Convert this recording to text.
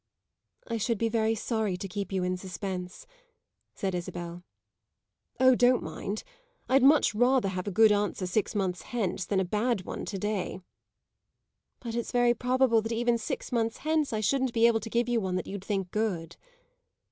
"I should be very sorry to keep you in suspense," said Isabel. "Oh, don't mind. I'd much rather have a good answer six months hence than a bad one to day." "But it's very probable that even six months hence I shouldn't be able to give you one that you'd think good."